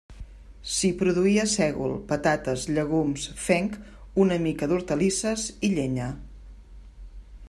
S'hi produïa sègol, patates, llegums, fenc, una mica d'hortalisses i llenya.